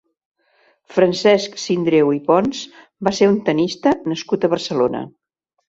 Francesc Sindreu i Pons va ser un tennista nascut a Barcelona.